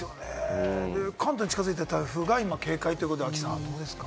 関東に近づいてる台風が今、警戒ということで亜希さん、どうですか？